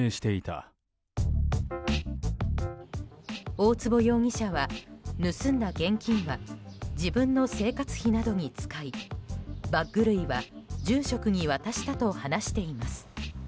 大坪容疑者は、盗んだ現金は自分の生活費などに使いバッグ類は住職に渡したと話しています。